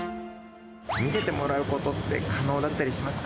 見せてもらうことって可能だったりしますか？